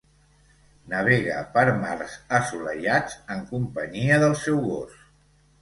Navega per mars assolellats en companyia del seu gos.